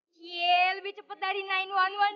jaya lebih cepet dari sembilan ratus sebelas jaya